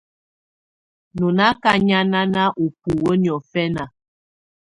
Tú nà ká nyànáná ú búwǝ́ niɔ́fɛna.